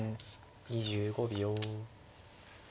２５秒。